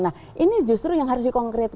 nah ini justru yang harus di konkretkan